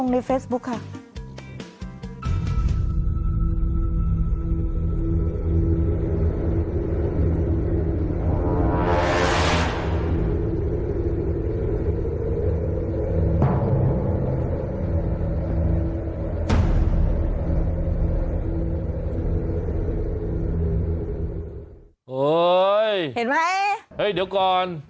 เฮ้ยเดี๋ยวก่อน